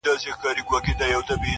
رخصتېږم تا پر خداى باندي سپارمه!!